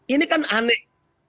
ini kan aneh